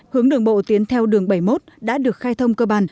hướng đường bộ tiến theo đường bảy mươi một đã được khai thông cơ bản